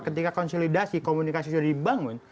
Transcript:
ketika konsolidasi komunikasi sudah dibangun